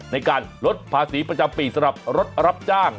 ในการลดภาษีประจำปีสำหรับรถรับจ้าง